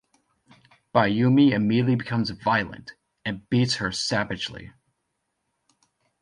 Bayoumi immediately becomes violent and beats her saveagely.